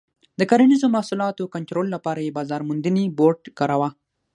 د کرنیزو محصولاتو کنټرول لپاره یې بازار موندنې بورډ کاراوه.